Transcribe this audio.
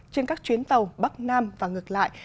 trên các chuyến tàu bắc nam và ngược lại